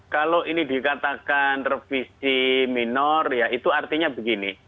kalau ini dikatakan revisi minor ya itu artinya begini